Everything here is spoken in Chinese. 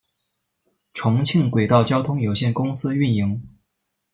重庆轨道交通有限公司运营。